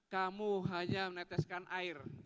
kamu hanya meneteskan air